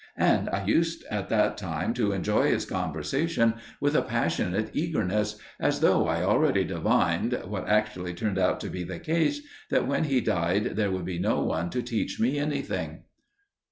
And I used at that time to enjoy his conversation with a passionate eagerness, as though I already divined, what actually turned out to be the case, that when he died there would be no one to teach me anything.